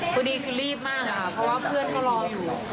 พอดีคือรีบมากอะค่ะเพราะว่าเพื่อนก็รออยู่